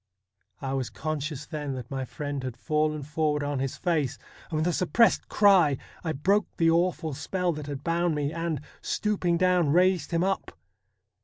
I was conscious then that my friend had fallen forward on his face, and with a suppressed cry I broke the awful spell that had bound me, and, stooping down, raised him up.